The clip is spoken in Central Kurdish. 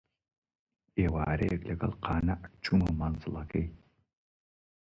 ئێوارەیەک لەگەڵ قانیع چوومە مەنزڵەکەی